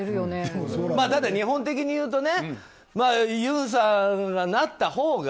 日本的に言うとユンさんがなったほうが。